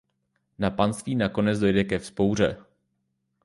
Na panství nakonec dojde ke vzpouře.